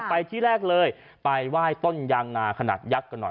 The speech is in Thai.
ไปที่แรกเลยไปไหว้ต้นยางนาขนาดยักษ์กันหน่อย